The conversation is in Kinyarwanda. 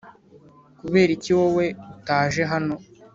kuberiki wowe utaje hano